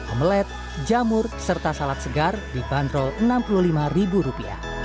omelet jamur serta salad segar dibanderol rp enam puluh lima